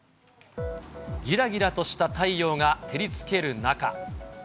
ぎらぎらとした太陽が照りつける中。